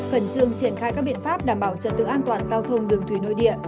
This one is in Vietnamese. khẩn trương triển khai các biện pháp đảm bảo trật tự an toàn giao thông đường thủy nội địa